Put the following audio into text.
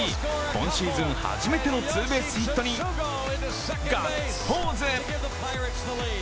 今シーズン初めてのツーベースヒットにガッツポーズ。